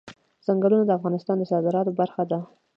ځنګلونه د افغانستان د صادراتو برخه ده.